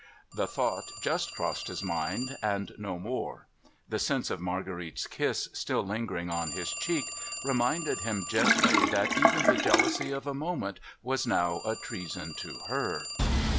The thought just crossed his mind, and no more. The sense of Marguerite's kiss still lingering on his cheek reminded him gently that even the jealousy of a moment was now a treason to her.